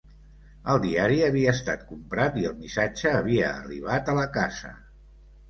El diari havia estat comprat i el missatge havia arribat a la casa.